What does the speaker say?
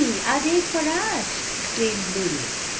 are they for us?" exclaimed Lulu.